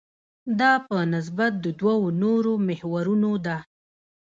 دا په نسبت د دوو نورو محورونو ده.